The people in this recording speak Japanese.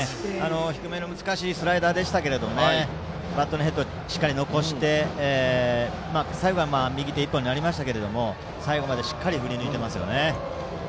低めの難しいスライダーにバットのヘッドをしっかり残して最後は右手１本になりましたが最後までしっかり振り抜いていますね。